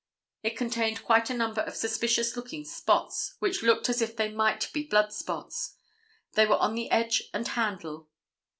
It contained quite a number of suspicious looking spots, which looked as if they might be blood spots. They were on the edge and handle.